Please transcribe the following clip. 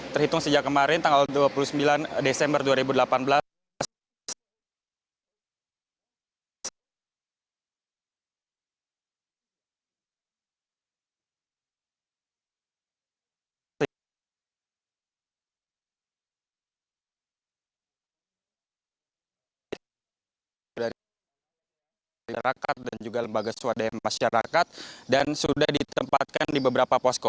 terhitung sejak kemarin tanggal dua puluh sembilan desember dua ribu delapan belas